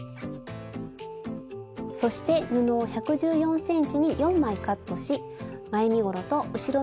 そして布を１１４ｃｍに４枚カットし前身ごろと後ろ身ごろを決めます。